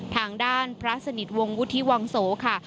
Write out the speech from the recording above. ทางด้านพระสนิทวงศ์วุฒิวังโสค่ะ